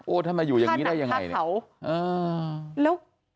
โอ๊ยถ้ามาอยู่อย่างนี้ได้อย่างไรเนี่ยค่ะหนักท่าเขาแล้ว